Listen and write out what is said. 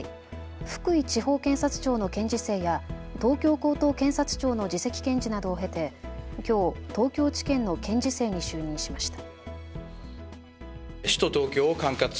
福井地方検察庁の検事正や東京高等検察庁の次席検事などを経てきょう東京地検の検事正に就任しました。